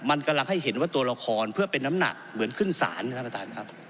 มันกำลังให้เห็นว่าตัวละครเพื่อเป็นน้ำหนักเหมือนขึ้นศาลท่านประธานครับ